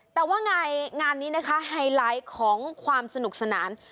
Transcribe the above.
แต่ว่างานนี้นะคะไฮไลท์ของความสนุกสนาน